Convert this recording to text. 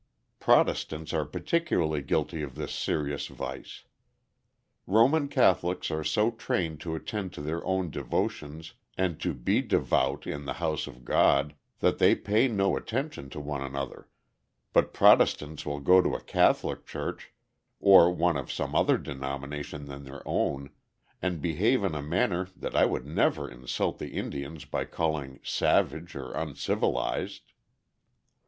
Protestants are particularly guilty of this serious vice. Roman Catholics are so trained to attend to their own devotions, and to be devout in the house of God, that they pay no attention to one another, but Protestants will go to a Catholic church, or one of some other denomination than their own, and behave in a manner that I would never insult the Indians by calling "savage" or "uncivilized."